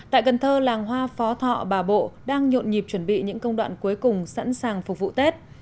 tại cần thơ làng hoa phó thọ bà bộ đang nhộn nhịp chuẩn bị những công đoạn cuối cùng sẵn sàng phục vụ tết